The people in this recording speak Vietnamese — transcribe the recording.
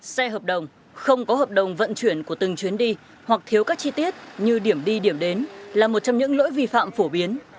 xe hợp đồng không có hợp đồng vận chuyển của từng chuyến đi hoặc thiếu các chi tiết như điểm đi điểm đến là một trong những lỗi vi phạm phổ biến